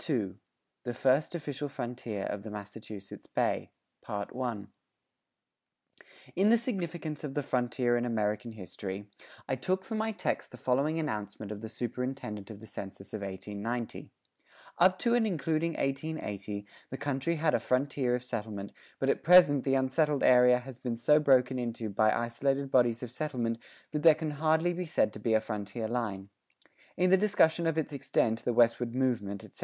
II THE FIRST OFFICIAL FRONTIER OF THE MASSACHUSETTS BAY[39:1] In the Significance of the "Frontier in American History," I took for my text the following announcement of the Superintendent of the Census of 1890: Up to and including 1880 the country had a frontier of settlement but at present the unsettled area has been so broken into by isolated bodies of settlement that there can hardly be said to be a frontier line. In the discussion of its extent, the westward movement, etc.